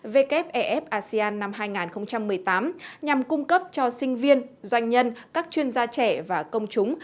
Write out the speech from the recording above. wef asean năm hai nghìn một mươi tám nhằm cung cấp cho sinh viên doanh nhân các chuyên gia trẻ và công chúng